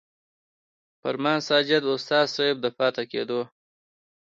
فرمان ساجد استاذ صېب د پاتې کېدو